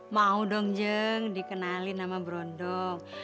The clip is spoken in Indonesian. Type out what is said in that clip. mau dong jeng dikenalin nama brondong